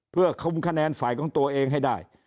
เพื่อคุมคะแนนฝ่ายของตัวเองให้ได้